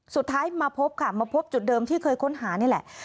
สุดท้ายมาพบค่ะมาพบจุดเดิมที่เคยค้นหานี่แหละ